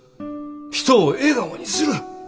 人を笑顔にする。